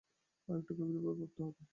আরেকটু গভীরভাবে ভাবতে হবে।